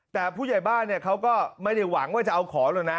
แต่ผู้ใหญ่บ้านเขาก็ไม่ได้หวังว่าจะเอาของหรอกนะ